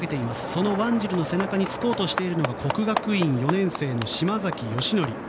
そのワンジルの背中につこうとしているのが國學院４年生の島崎慎愛。